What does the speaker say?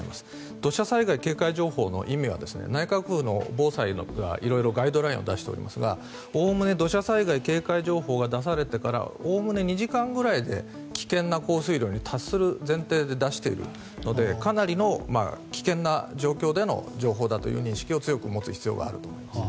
土砂災害警戒情報の意味は内閣府の防災のところがいろいろガイドラインを出しておりますがおおむね土砂災害警戒情報が出されてから２時間くらいで危険な降水量に達する前提で出しているのでかなりの危険な状況での情報だという認識を強く持つ必要があると思います。